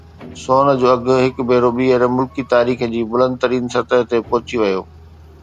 سون جو اگهه هڪ ڀيرو ٻيهر ملڪي تاريخ جي بلند ترين سطح تي پهچي ويو